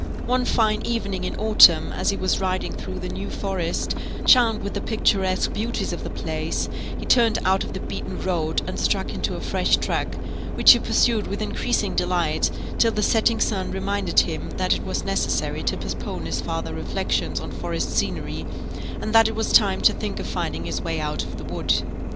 One fine evening in autumn, as he was riding through the New Forest, charmed with the picturesque beauties of the place, he turned out of the beaten road, and struck into a fresh track, which he pursued with increasing delight, till the setting sun reminded him that it was necessary to postpone his farther reflections on forest scenery, and that it was time to think of finding his way out of the wood.